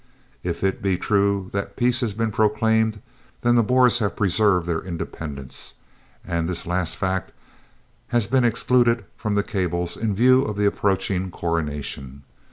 If it be true that peace has been proclaimed, then the Boers have preserved their independence, and this last fact has been excluded from the cables in view of the approaching Coronation.